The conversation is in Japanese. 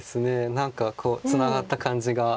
何かこうツナがった感じがすごい。